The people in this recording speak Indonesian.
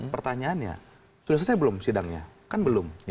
pertanyaannya sudah selesai belum sidangnya kan belum